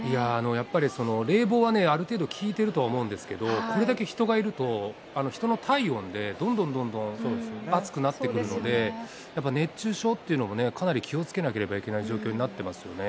やっぱり冷房は効いてるとは思うんですけれども、これだけ人がいると、人の体温でどんどんどんどん暑くなってくるので、やっぱ熱中症というのもね、かなり気をつけなければいけない状況になってますよね。